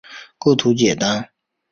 构图简单